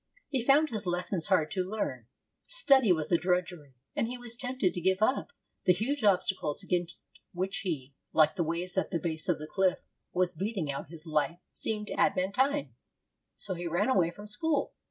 He found his lessons hard to learn. Study was a drudgery, and he was tempted to give up. The huge obstacles against which he, like the waves at the base of the cliff, was beating out his life seemed adamantine. So he ran away from school.